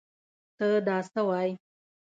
تۀ دا څه وايې ؟